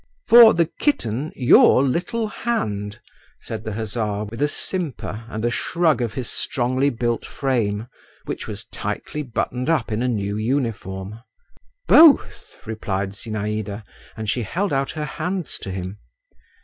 "For the kitten—your little hand," said the hussar, with a simper and a shrug of his strongly built frame, which was tightly buttoned up in a new uniform. "Both," replied Zinaïda, and she held out her hands to him.